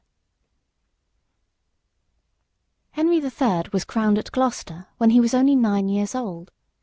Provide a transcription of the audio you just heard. ] HENRY THE THIRD was crowned at Gloucester when he was only nine years old.